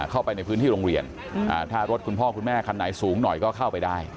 เข้าไปในพื้นที่โรงเรียนถ้ารถคุณพ่อคุณแม่คันไหนสูงหน่อยก็เข้าไปได้